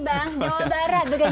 jawa barat bukan jakarta